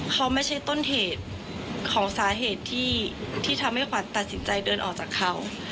เขาไม่ใช่ต้นเหตุของสาเหตุที่ทำให้ขวัญตัดสินใจเดินออกจากเขา